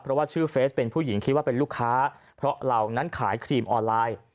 เพราะว่าชื่อเฟสเป็นผู้หญิงคิดว่าเป็นลูกค้าเพราะเรานั้นขายครีมออนไลน์